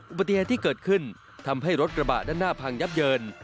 อุบัติเหตุที่เกิดขึ้นทำให้รถกระบะด้านหน้าพังยับเยิน